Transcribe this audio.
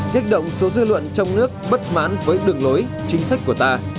kích động số dư luận trong nước bất mãn với đường lối chính sách của ta